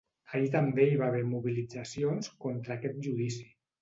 Ahir també hi va haver mobilitzacions contra aquest judici.